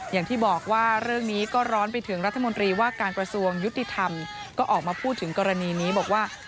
อย่างที่บอกว่าเรื่องนี้ก็ร้อนไปถึงรัฐมนตรีว่าการกระทรวงยุติธรรมก็ออกมาพูดถึงกรณีนี้บอกว่า